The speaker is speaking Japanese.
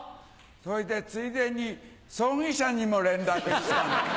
それでついでに葬儀社にも連絡したの。